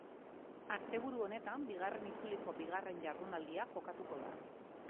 Asteburu honetan bigarren itzuliko bigarren jardunaldia jokatuko da.